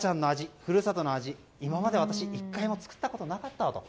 故郷の味、今まで私１回も作ったことなかったわと。